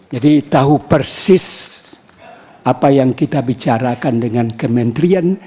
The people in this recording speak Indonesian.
jadi tahu persis apa yang kita bicarakan dengan kementerian